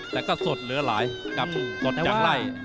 แต่ก็สดเหลือหลายกับสดจากไล่